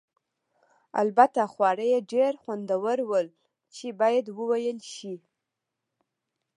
البته خواړه یې ډېر خوندور ول چې باید وویل شي.